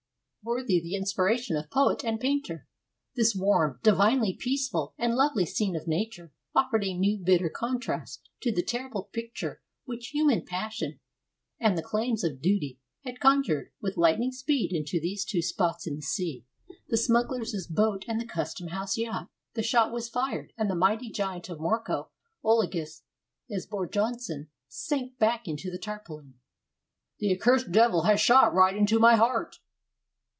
Worthy the inspiration of poet and painter, this warm, divinely peaceful, and lovely scene of nature offered a new, bitter contrast to the terrible picture which human passion and the claims of duty had conjured with lightning speed into these two spots in the sea the smugglers' boat and the Custom house yacht. The shot was fired, and the mighty giant of Mörkö, Olagus Esbjörnsson, sank back into the tarpaulin. "The accursed devil has shot right into my heart!"